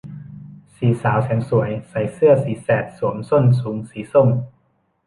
สี่สาวแสนสวยใส่เสื้อสีแสดสวมส้นสูงสีส้ม